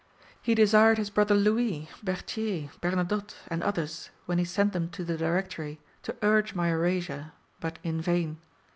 He desired his brother Louis, Berthier, Bernadotte, and others, when he sent them to the Directory, to urge my erasure; but in vain.